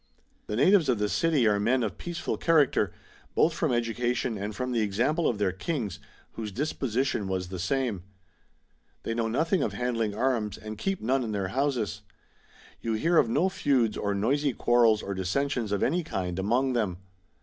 The natives of the city are men of peaceful character, both from education and from the example of their kings, whose disposition was the same. They know nothing of handling arms, and keep none in their houses. You hear of no feuds or noisy quarrels or dissensions of any kind, among them.